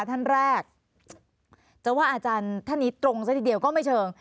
ท่านแรกจะว่าอาจารย์ท่านนี้ตรงซะทีเดียวก็ไม่เชิง